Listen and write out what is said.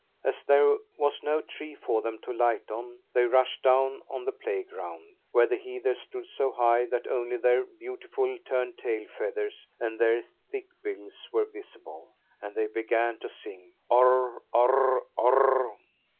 As there was no tree for them to light on, they rushed down on the playground, where the heather stood so high that only their beautifully turned tail feathers and their thick bills were visible and they began to sing: "Orr, orr, orr."